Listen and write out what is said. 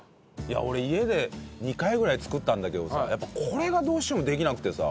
俺家で２回ぐらい作ったんだけどさやっぱこれがどうしてもできなくてさ。